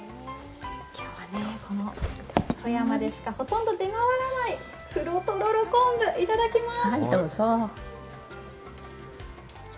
今日はこの富山でしかほとんど出回らない黒ととろ昆布、いただきます。